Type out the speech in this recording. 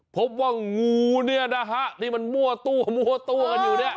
พบว่างูเนี่ยนะฮะที่มันมั่วตัวมั่วตัวกันอยู่เนี่ย